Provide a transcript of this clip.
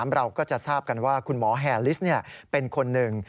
เราก็จะทราบกันว่าคุณหมอแฮลิสเป็นคนหนึ่ง